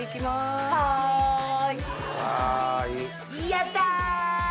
やった！